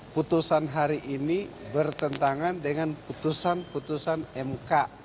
putusan hari ini bertentangan dengan putusan putusan mk